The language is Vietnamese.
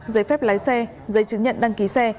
giấy phép lái xe giấy chứng nhận đăng ký xe